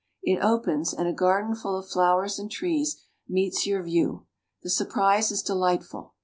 It opens, and a garden full of flowers and trees meets your view. The surprise is delightful.